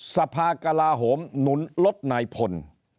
สภากลาโหมหนุนลดนายพล